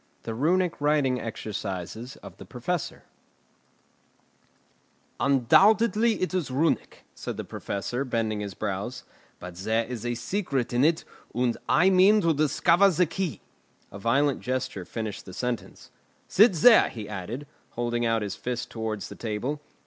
THE RUNIC WRITING EXERCISES THE PROFESSOR "Undoubtedly it is Runic," said the Professor, bending his brows; "but there is a secret in it, and I mean to discover the key." A violent gesture finished the sentence. "Sit there," he added, holding out his fist towards the table.